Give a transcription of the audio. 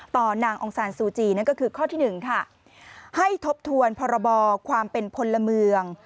นางองซานซูจีนั่นก็คือข้อที่หนึ่งค่ะให้ทบทวนพรบความเป็นพลเมือง